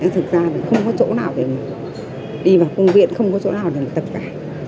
thực ra không có chỗ nào để đi vào công viên không có chỗ nào để tập cả